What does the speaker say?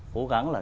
cố gắng là